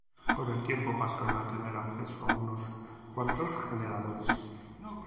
Con el tiempo pasaron a tener acceso a unos cuantos generadores.